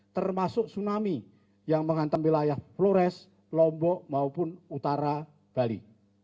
termasuk tsunami yang menghantam wilayah flores lombok maupun utara bali